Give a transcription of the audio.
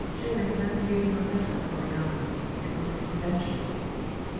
Durin then gave him a letter of Oriana ; it was his credentials.